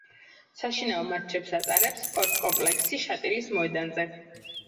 საშინაო მატჩებს ატარებს სპორტ–კომპლექსი შატილის მოედანზე.